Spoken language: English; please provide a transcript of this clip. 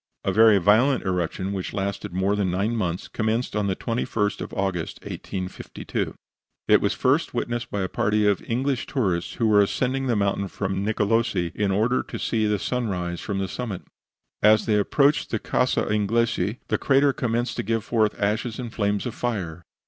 A very violent eruption, which lasted more than nine months, commenced on the 21st of August, 1852. It was first witnessed by a party of English tourists, who were ascending the mountain from Nicolosi in order to see the sunrise from the summit. As they approached the Casa Inglesi the crater commenced to give forth ashes and flames of fire.